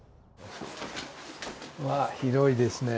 わぁ広いですね。